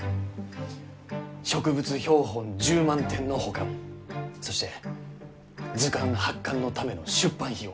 植物標本１０万点の保管そして図鑑発刊のための出版費用